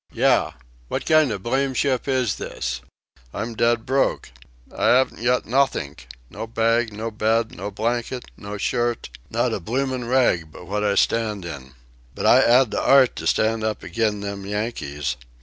Yah! What kind of blamed ship is this? I'm dead broke. I 'aven't got nothink. No bag, no bed, no blanket, no shirt not a bloomin' rag but what I stand in. But I 'ad the 'art to stand up agin' them Yankees.